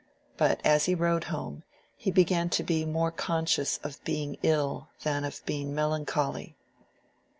But as he rode home, he began to be more conscious of being ill, than of being melancholy.